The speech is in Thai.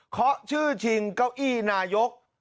ชื่อชิงเก้าอี้นายก